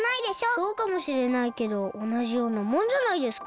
そうかもしれないけどおなじようなもんじゃないですか。